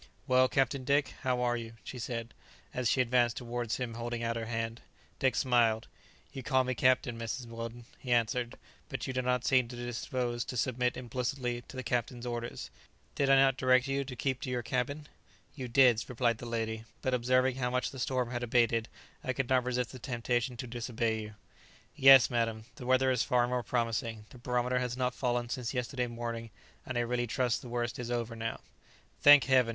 "Well, Captain Dick, how are you?" she said, as she advanced towards him holding out her hand. Dick smiled. "You call me captain, Mrs. Weldon," he answered, "but you do not seem disposed to submit implicitly to captain's orders. Did I not direct you to keep to your cabin?" [Illustration: "You have acquitted yourself like a man."] "You did," replied the lady; "but observing how much the storm had abated, I could not resist the temptation to disobey you." "Yes, madam, the weather is far more promising; the barometer has not fallen since yesterday morning, and I really trust the worst is over now." "Thank Heaven!"